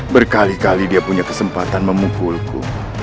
berkali kali dia punya kesempatan memukulku